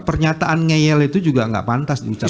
pernyataan ngeyel itu juga nggak pantas diucapkan